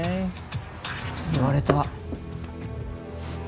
言われた。